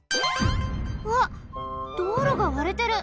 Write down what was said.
うわっ道路がわれてる！